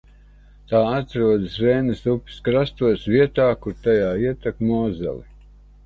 Tā atrodas Reinas upes krastos, vietā, kur tajā ietek Mozele.